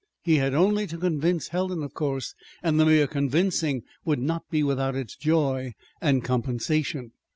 He had only to convince Helen, of course, and the mere convincing would not be without its joy and compensation.